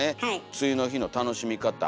梅雨の日の楽しみ方